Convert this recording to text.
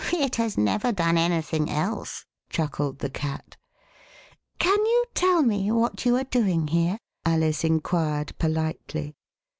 "It has never done anything else," chuckled the Cat. Can you tell me what you are doing here ?" Alice inquired politely.